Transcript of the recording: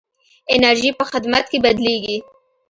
انرژي په خدمت کې بدلېږي.